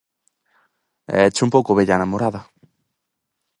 -Éche un pouco vella a namorada!